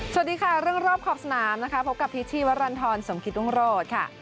สวัสดีค่ะเรื่องรอบขอบสนามนะคะพบกับทิศชี้วัดดันทรรษมภิกษ์วงโรศค่ะ